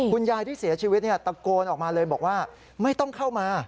คุณยายที่เสียชีวิตตะโกนออกมาเลยบอกว่าไม่ต้องเข้ามา